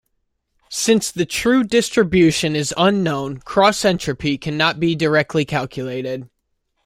Since the true distribution is unknown, cross-entropy cannot be directly calculated.